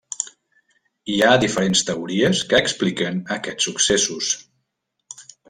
Hi ha diferents teories que expliquen aquests successos.